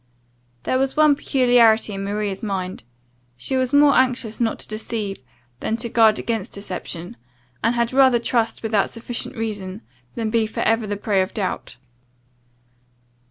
There was one peculiarity in Maria's mind: she was more anxious not to deceive, than to guard against deception; and had rather trust without sufficient reason, than be for ever the prey of doubt.